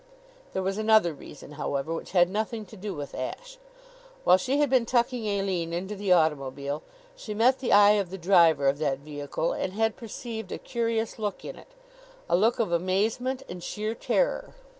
There was another reason, however, which had nothing to do with Ashe. While she had been tucking Aline into the automobile she met the eye of the driver of that vehicle and had perceived a curious look in it a look of amazement and sheer terror.